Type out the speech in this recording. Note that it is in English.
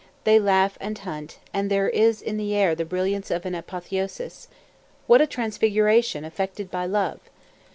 They laugh and hunt, and there is in the air the brilliance of an apotheosis—what a transfiguration effected by love!